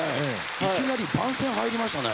いきなり番宣入りましたね。